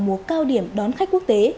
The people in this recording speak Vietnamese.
mùa cao điểm đón khách quốc tế